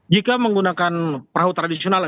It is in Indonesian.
jika menggunakan perahu tradisional